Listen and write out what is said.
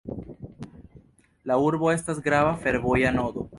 La urbo estas grava fervoja nodo.